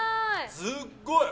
すっごい。